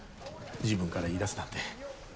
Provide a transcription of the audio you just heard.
自分から言いだすなんて。